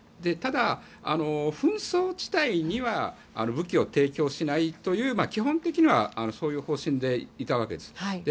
ただ、紛争地帯には武器を提供しないという基本的にはそういう方針でいたわけです。